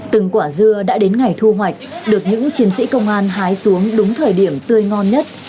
từng quả dưa đã đến ngày thu hoạch được những chiến sĩ công an hái xuống đúng thời điểm tươi ngon nhất